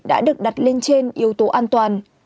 đã được đặt lên trên yếu tố an toàn